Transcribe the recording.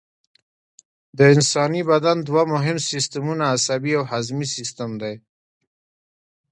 د انساني بدن دوه مهم سیستمونه عصبي او هضمي سیستم دي